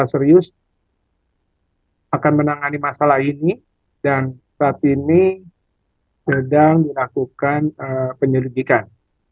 jadi benar bahwa ada oknum prajurit tni melakukan tindakan kekerasan terhadap tawanan seorang anggota kkb